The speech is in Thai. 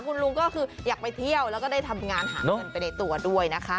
คุณลุงก็คืออยากไปเที่ยวแล้วก็ได้ทำงานหาเงินไปในตัวด้วยนะคะ